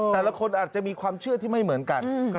แต่ละคนอาจจะมีความเชื่อที่ไม่เหมือนกัน